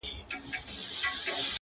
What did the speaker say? نه مي ښېرا پکي قبلیږي نه دعا ملگرو~